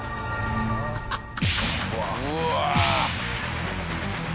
うわ。